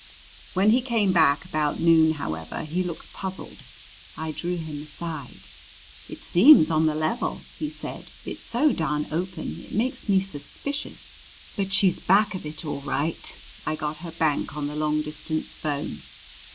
When he came back about noon, however, he looked puzzled. I drew him aside. "It seems on the level," he said. "It's so darned open it makes me suspicious. But she's back of it all right. I got her bank on the long distance 'phone."